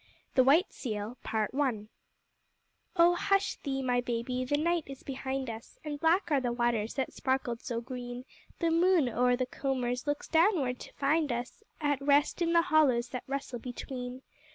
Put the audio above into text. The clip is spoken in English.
The White Seal Oh! hush thee, my baby, the night is behind us, And black are the waters that sparkled so green. The moon, o'er the combers, looks downward to find us At rest in the hollows that rustle between.